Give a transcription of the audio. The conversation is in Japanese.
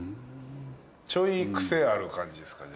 ちょい癖ある感じですか？